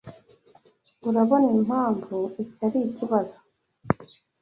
Urabona impamvu iki ari ikibazo?